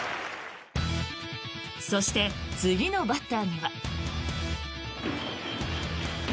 そして、次のバッターには。